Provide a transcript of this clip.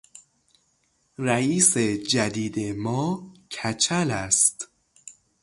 رئیس جدید ما کچل است.